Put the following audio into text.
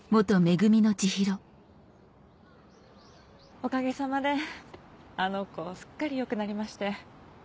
おかげさまであの子すっかり良くなりまして。